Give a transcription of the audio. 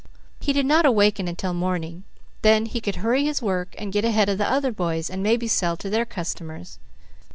He did not awaken until morning; then he could hurry his work and get ahead of the other boys, and maybe sell to their customers.